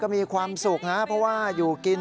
มีความสุขนะเพราะว่าอยู่กิน